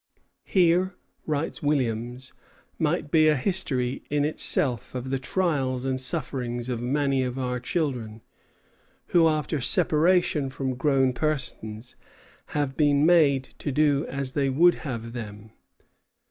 "Here," writes Williams, "might be a history in itself of the trials and sufferings of many of our children, who, after separation from grown persons, have been made to do as they would have them.